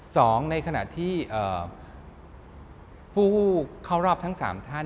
สองในขณะที่ผู้เข้ารอบทั้งสามท่าน